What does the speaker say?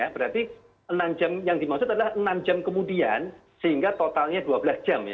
berarti enam jam yang dimaksud adalah enam jam kemudian sehingga totalnya dua belas jam